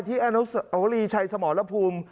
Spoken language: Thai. ที่อันนุสาวุรีชัยสมหลพูม